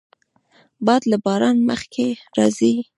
باد له باران مخکې راځي